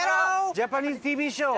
ジャパニーズＴＶショー。